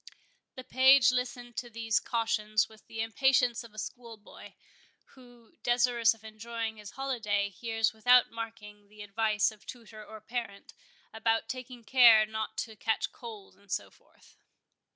The page listened to these cautions with the impatience of a schoolboy, who, desirous of enjoying his holiday, hears without marking the advice of tutor or parent, about taking care not to catch cold, and so forth.